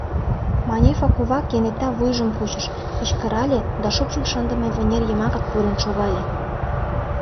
Манефа кува кенета вуйжым кучыш, кычкырале да шупшын шындыме вынер йымакак пурен шогале.